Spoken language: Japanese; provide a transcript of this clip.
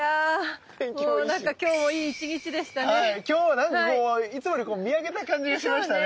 今日はなんかいつもより見上げた感じがしましたね。